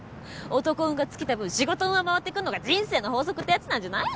男運が尽きた分仕事運は回ってくんのが人生の法則ってやつなんじゃないの？